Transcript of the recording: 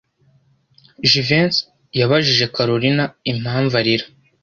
Jivency yabajije Kalorina impamvu arira.